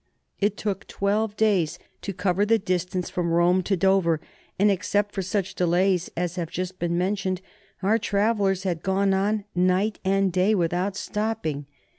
It took twelve days to cover the distance from Rome to Dover, and, except for such delays as have just been mentioned, our travellers had gone on night and day without stopping.